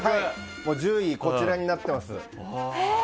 順位、こちらになってます。